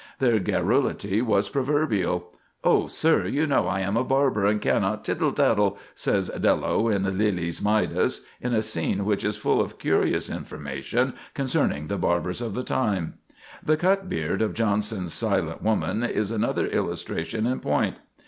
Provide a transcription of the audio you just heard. Their garrulity was proverbial. "Oh, sir, you know I am a barber and cannot tittle tattle," says Dello, in Lyly's "Midas," in a scene which is full of curious information concerning the barbers of the time. The Cutbeard of Jonson's "Silent Woman," is another illustration in point.